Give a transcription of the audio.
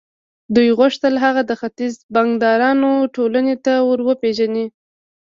دوی غوښتل هغه د ختيځ د بانکدارانو ټولنې ته ور وپېژني.